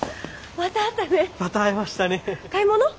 また会いましたね。